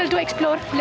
arkektur yang luar biasa